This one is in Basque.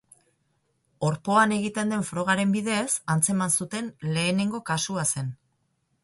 Orpoan egiten den frogaren bidez atzeman zuten lehenengo kasua zen.